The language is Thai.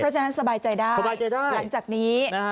เพราะฉะนั้นสบายใจได้หลังจากนี้